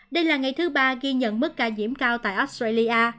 đây là ngày thứ ba ghi nhận mức ca nhiễm cao tại australia